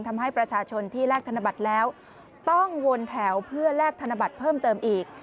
ทำให้ประชาชนที่แลกธนบัตรแล้วต้องวนแถวเพื่อแลกธนบัตรเพิ่มเติมอีก